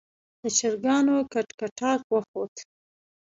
د چرګانو کټکټاک وخوت.